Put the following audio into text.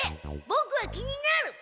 ボクは気になる！